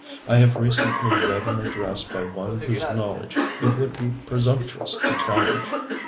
ŌĆØ I have recently read an address by one whose knowledge it would be presumptuous to challenge.